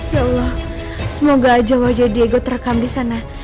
ya allah semoga aja wajah diego terekam disana